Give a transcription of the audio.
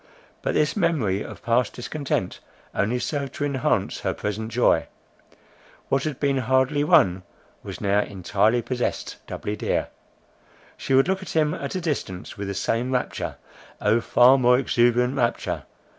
But this memory of past discontent only served to enhance her present joy. What had been hardly won, was now, entirely possessed, doubly dear. She would look at him at a distance with the same rapture, (O, far more exuberant rapture!)